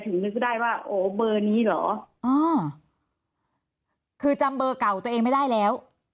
นึกได้ว่าโอ้เบอร์นี้เหรออ๋อคือจำเบอร์เก่าตัวเองไม่ได้แล้ว